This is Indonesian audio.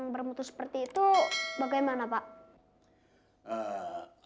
bermutu seperti itu bagaimana pak